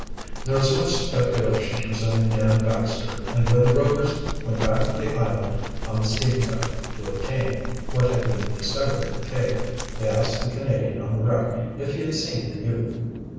There was much speculation concerning Dan Baxter, and when the Rovers went back to the island on the steam tug, to obtain what had been discovered in the cave, they asked the Canadian on the wreck if he had seen the youth.